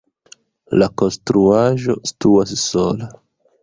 La konstruaĵo situas sola.